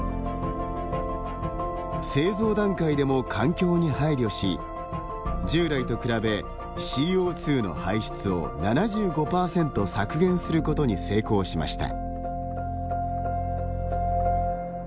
製造段階でも環境に配慮し従来と比べ、ＣＯ２の排出を７５％削減することに成功しました。